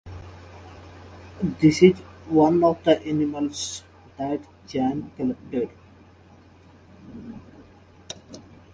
This is one of the animals that Chan collected.